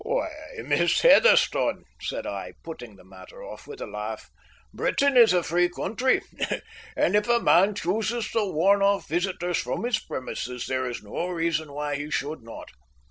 "Why, Miss Heatherstone," said I, putting the matter off with a laugh, "Britain is a free country, and if a man chooses to warn off visitors from his premises there is no reason why he should not."